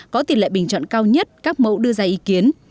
có tỷ lệ bình chọn cao nhất các mẫu đưa ra ý kiến